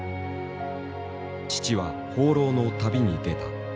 父は放浪の旅に出た。